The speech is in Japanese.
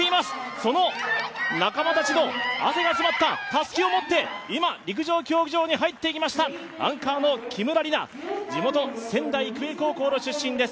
その仲間たちの汗が詰まったたすきを持って、今、陸上競技場に入ってきましたアンカーの木村梨七、地元・仙台育英高校の出身です。